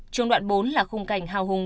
trường đoạn bốn là khung cảnh hào hùng